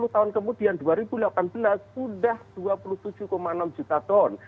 sepuluh tahun kemudian dua ribu delapan belas sudah dua puluh tujuh enam juta ton